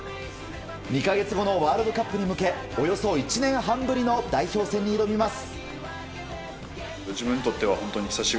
２か月後のワールドカップへ向けおよそ１年半ぶりの代表戦へ臨みます。